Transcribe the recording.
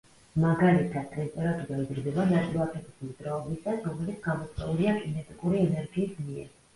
მაგალითად, ტემპერატურა იზრდება ნაწილაკების მოძრაობისას რომელიც გამოწვეულია კინეტიკური ენერგიის მიერ.